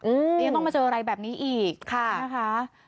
ยังต้องมาเจออะไรแบบนี้อีกค่ะนะคะ